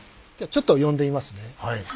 じゃあちょっと呼んでみますね。